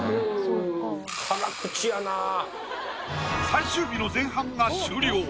最終日の前半が終了